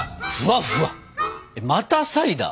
またサイダー？